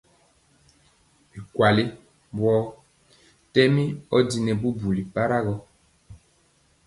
Bɛ kuali wɔɔ tɛmi ɔdinɛ bubuli para gɔ.